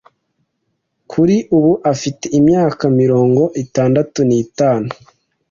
kuri ubu afite imyaka mirongo itandatu nitanu